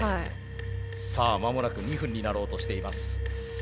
さあ間もなく２分になろうとしています。